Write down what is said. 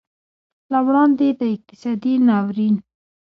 له وړاندې د اقتصادي ناورین